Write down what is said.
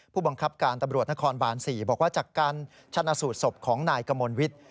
ผู้บังคับการตำรวจนครบาน๔บอกว่าจากการชนะสูตรศพของนายกมลวิทย์